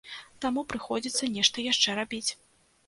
Таму прыходзіцца нешта яшчэ рабіць.